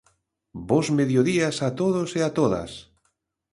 Bos mediodías a todos e a todas.